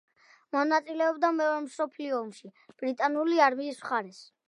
მონაწილეობდა მეორე მსოფლიო ომში ბრიტანული არმიის მხარეს.